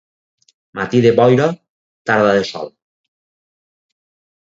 Matí de boira, tarda de sol.